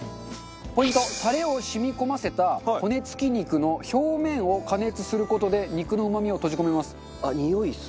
ポイントタレを染み込ませた骨つき肉の表面を加熱する事で肉のうまみを閉じ込めます。